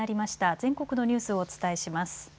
全国のニュースをお伝えします。